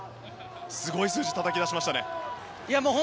すごい数字をたたき出しましたね。